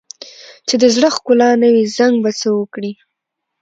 چې د زړه ښکلا نه وي، زنګ به څه وکړي؟